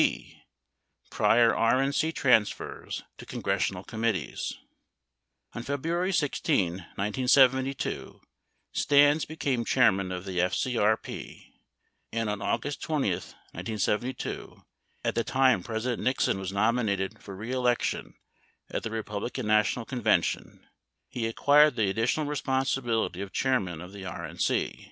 b. Prior RN C Transfers to Congressional Committees On February 16, 1972, Stans became chairman of the FCRP and on August 20, 1972, at the time President Nixon was nominated for re election at the, Republican National Convention, he acquired the additional responsibility of chairman of the, RNC.